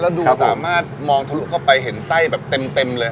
แล้วดูสามารถมองทะลุเข้าไปเห็นไส้แบบเต็มเลย